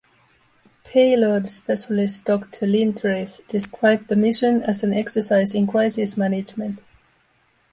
Payload Specialist Doctor Linteris described the mission as an exercise in crisis management.